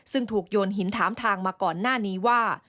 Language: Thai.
ซึ่งถูกโยนหินถามทางมาก่อนหน้านี้ว่า